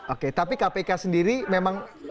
oke tapi kpk sendiri memang